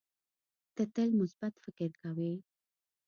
ته تل مثبت فکر کوې.